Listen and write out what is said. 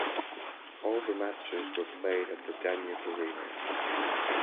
All the matches were played at the Danube Arena.